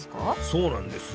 そうなんですよ。